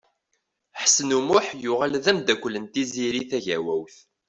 Ḥsen U Muḥ yuɣal d amdakel n Tiziri Tagawawt.